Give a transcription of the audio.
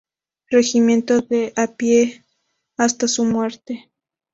Regimiento de a Pie hasta su muerte.